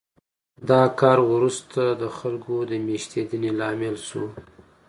دا کار وروسته د خلکو د مېشتېدنې لامل شو